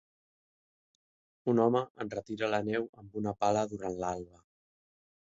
Un home enretira la neu amb una pala durant l'alba.